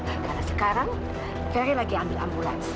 karena sekarang ferry lagi ambil ambulans